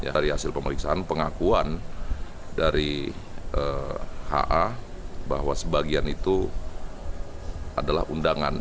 dari hasil pemeriksaan pengakuan dari ha bahwa sebagian itu adalah undangan